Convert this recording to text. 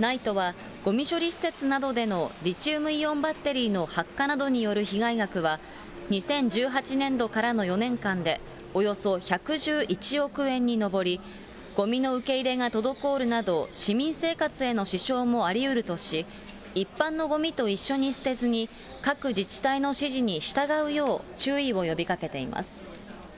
ＮＩＴＥはごみ処理施設などでリチウムイオンバッテリーの発火などによる被害額は、２０１８年度からの４年間でおよそ１１１億円に上り、ごみの受け入れが滞るなど、市民生活への支障もありうるとし、一般のごみと一緒に捨てずに、各自治体の指示に従うよう注意を呼びかけています。